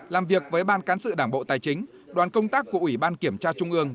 làm việc với ban cán sự đảng bộ tài chính đoàn công tác của ủy ban kiểm tra trung ương